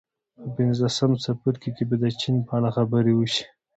په پنځلسم څپرکي کې به د چین په اړه خبرې وشي